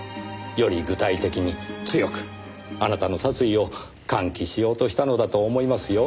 より具体的に強くあなたの殺意を喚起しようとしたのだと思いますよ。